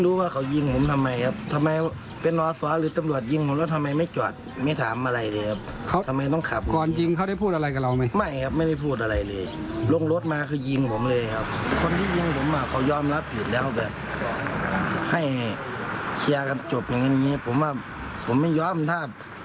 อย่างนายผมก็เป็นอย่างนายผมก็จับดำเนียนการอย่างนี้ครับ